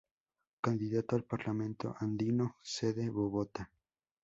Candidato al Parlamento Andino- Sede Bogotá.